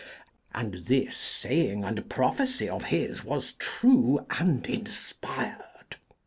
and this saying and prophecy of his was true and inspired.